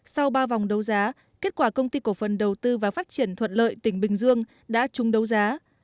sau ba vòng đấu giá kết quả công ty cổ phần đầu tư và phát triển thuận lợi tỉnh bình dương đã chung đấu giá